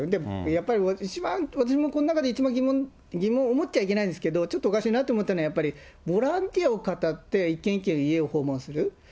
やっぱり一番、私もこの中で一番疑問を持っちゃいけないんですけど、ちょっとおかしいなと思ったのは、やっぱりボランティアをかたって、一軒一軒家を訪問する。